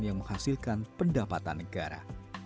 yang menghasilkan pendapatan negara